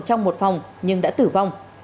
trong một phòng nhưng đã tử vong